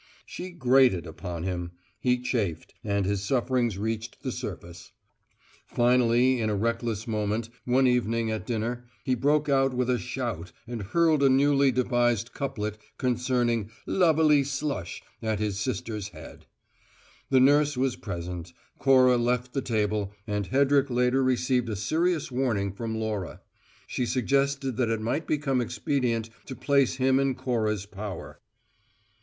She grated upon him; he chafed, and his sufferings reached the surface. Finally, in a reckless moment, one evening at dinner, he broke out with a shout and hurled a newly devised couplet concerning luv a ly slush at his, sister's head. The nurse was present: Cora left the table; and Hedrick later received a serious warning from Laura. She suggested that it might become expedient to place him in Cora's power.